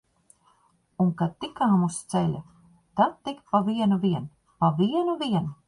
Un kad tikām uz ceļa, tad tik pa vienu vien, pa vienu vien!